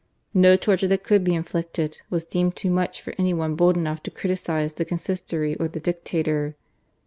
No torture that could be inflicted was deemed too much for any one bold enough to criticise the Consistory or the dictator.